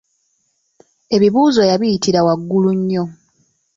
Ebibuuzo yabiyitira waggulu nnyo.